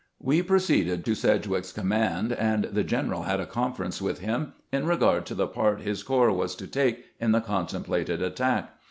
We proceeded to Sedgwick's command, and the gen eral had a conference with him in regard to the part his corps was to take in the contemplated attack.